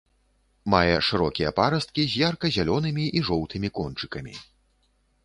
Мае шырокія парасткі з ярка-зялёнымі і жоўтымі кончыкамі.